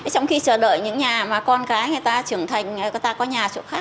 trong khi chờ đợi những nhà mà con cái người ta trưởng thành người ta có nhà chỗ khác